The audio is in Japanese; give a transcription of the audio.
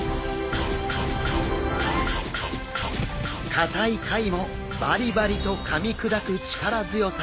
硬い貝もバリバリとかみ砕く力強さ。